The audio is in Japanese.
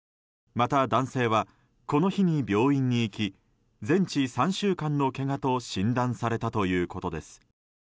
また、男性はこの日に病院に行き全治３週間のけがと診断されたということです。